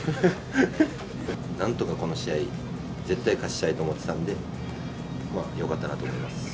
なんとかこの試合、絶対勝ちたいと思ってたんで、まあ、よかったなと思います。